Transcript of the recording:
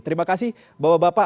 terima kasih bapak bapak